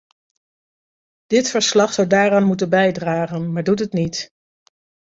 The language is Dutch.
Dit verslag zou daaraan moeten bijdragen, maar doet het niet.